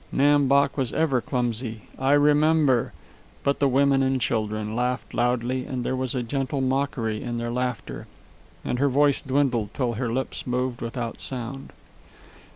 "Nam Bok was ever clumsy. I remember...." But the women and children laughed loudly, and there was a gentle mockery in their laughter, and her voice dwindled till her lips moved without sound.